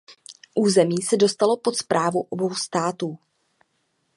Území se dostalo pod správu obou států.